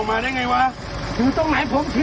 อ่า